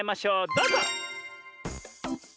どうぞ！